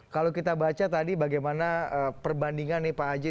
kalau kita baca tadi bagaimana perbandingan nih pak haji